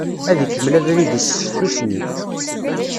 Ad ikemmel abrid-is s tsusmi.